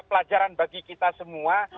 pelajaran bagi kita semua